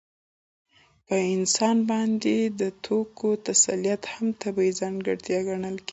په انسان باندې د توکو تسلط هم طبیعي ځانګړتیا ګڼل کېږي